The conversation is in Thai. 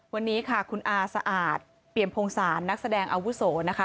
วันนี้ค่ะคุณอาสะอาดเปรียมพงศาลนักแสดงอาวุโสนะคะ